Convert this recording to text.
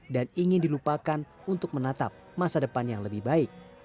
dan ingin dilupakan untuk menatap masa depan yang lebih baik